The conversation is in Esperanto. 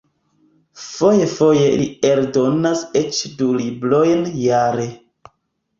Fojfoje li eldonas eĉ du librojn jare.